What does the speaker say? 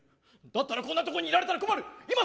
だったらこんなところにいられたら困る。